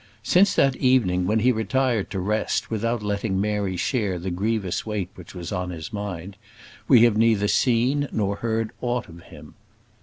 Since that evening when he retired to rest without letting Mary share the grievous weight which was on his mind, we have neither seen nor heard aught of him.